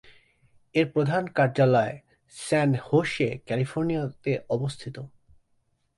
এর প্রধান কার্যালয় স্যান হোসে, ক্যালিফোর্নিয়াতে অবস্থিত।